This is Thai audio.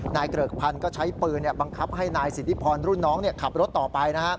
เกริกพันธุ์ก็ใช้ปืนบังคับให้นายสิทธิพรรุ่นน้องขับรถต่อไป